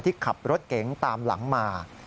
ขับรถเก๋งตามหลังมา